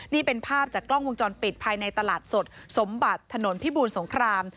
นี่เป็นภาพจากกล้องวงจรปิดภายในตลาดสดสมบัติถนนพิบูรสงคราม